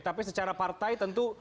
tapi secara partai tentu